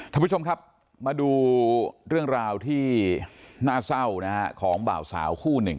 ท่านผู้ชมครับมาดูเรื่องราวที่หน้าเศร้าของเบาสาวคู่๑